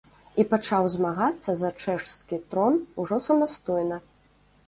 І пачаў змагацца за чэшскі трон ужо самастойна.